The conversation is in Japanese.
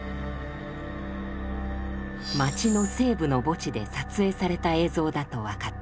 街の西部の墓地で撮影された映像だと分かった。